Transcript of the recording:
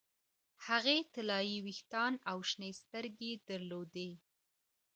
هغې طلايي ویښتان او شنې سترګې درلودې